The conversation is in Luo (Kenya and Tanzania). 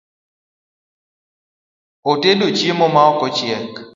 Otedo chiemo ma ok ochiek